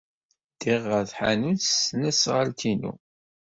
Ddiɣ ɣer tḥanut s tesnasɣalt-inu.